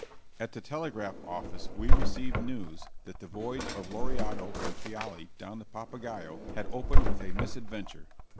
At the telegraph office we received news that the voyage of Lauriado and Fiala down the Papagaio had opened with a misadventure.